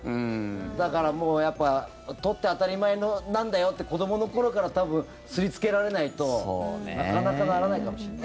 だからもう、やっぱ取って当たり前なんだよって子どもの頃から多分、刷りつけられないとなかなかならないかもしれない。